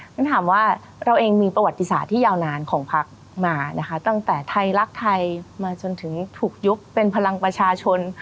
ฉันถามว่าเราเองมีประวัติศาสตร์ที่ยาวนานของพักมานะคะตั้งแต่ไทยรักไทยมาจนถึงถูกยุบเป็นพลังประชาชน